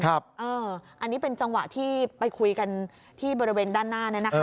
อันนี้เป็นจังหวะที่ไปคุยกันที่บริเวณด้านหน้า